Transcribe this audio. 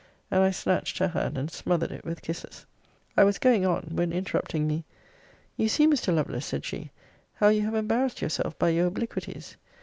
And I snatched her hand, and smothered it with kisses. I was going on; when interrupting me, You see, Mr. Lovelace, said she, how you have embarrassed yourself by your obliquities!